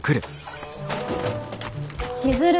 千鶴。